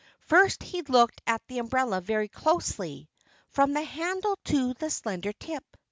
First he looked at the umbrella very closely, from the handle to the slender tip.